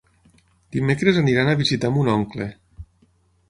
Dimecres aniran a visitar mon oncle.